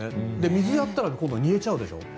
水をやったら煮えちゃうでしょ？